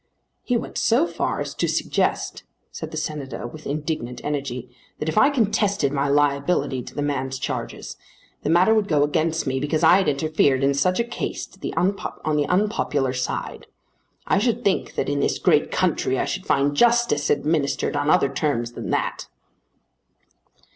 "He went so far as to suggest," said the Senator with indignant energy, "that if I contested my liability to the man's charges, the matter would go against me because I had interfered in such a case on the unpopular side. I should think that in this great country I should find justice administered on other terms than that."